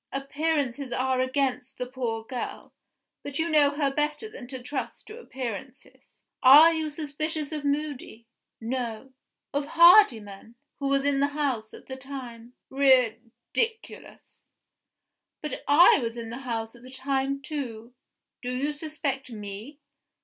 Appearances are against the poor girl; but you know her better than to trust to appearances. Are you suspicious of Moody? No. Of Hardyman who was in the house at the time? Ridiculous! But I was in the house at the time, too. Do you suspect Me?